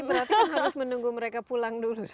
berarti kan harus menunggu mereka pulang dulu